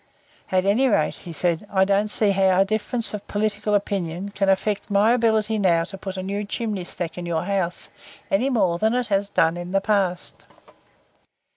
"At any rate," he said, "I can't see how a difference of political opinion can affect my ability now to put a new chimney stack in your house, any more than it has done in the past."